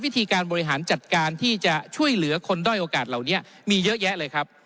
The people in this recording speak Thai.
วิธีการบริหารจัดการที่จะช่วยเหลือคนด้อยโอกาสเหล่านี้มีเยอะแยะเลยครับ